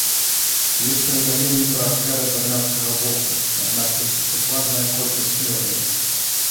Ёсць паведамленні пра ахвяры з армянскага боку, аднак іх дакладная колькасць невядома.